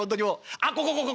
あっここここここ。